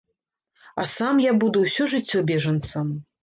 А сам я буду ўсё жыццё бежанцам.